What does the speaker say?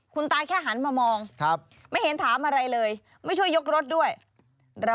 คุณตาแค่หันมามองไม่เห็นถามอะไรเลยไม่ช่วยยกรถด้วย